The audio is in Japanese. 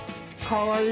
かわいい。